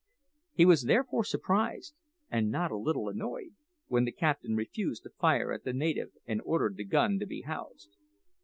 He was therefore surprised, and not a little annoyed, when the captain refused to fire at the native and ordered the gun to be housed.